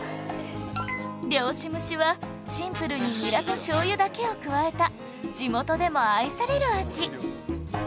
漁師蒸しはシンプルにニラと醤油だけを加えた地元でも愛される味